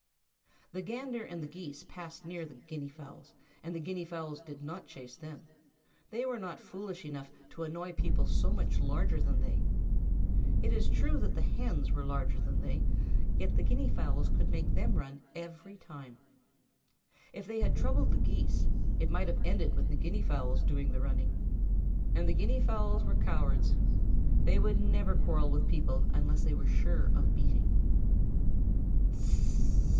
The Gander and the Geese passed near the Guinea fowls and the Guinea fowls did not chase them. They were not foolish enough to annoy people so much larger than they. It is true that the Hens were larger than they, yet the Guinea fowls could make them run every time. If they had troubled the Geese, it might have ended with the Guinea fowls doing the running. And the Guinea fowls were cowards. They would never quarrel with people unless they were sure of beating.